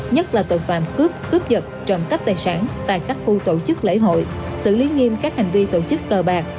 nhất là tội phạm cướp cướp vật trộm cắp tài sản tại các khu tổ chức lễ hội xử lý nghiêm các hành vi tổ chức cờ bạc